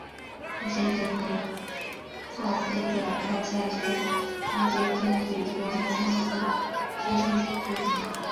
火星全球探勘者号在该撞击坑底部发现暗色的沙丘地形。